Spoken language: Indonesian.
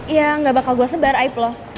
ya gak bakal gue sebar aib lo